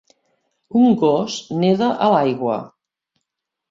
Un gos neda a l'aigua.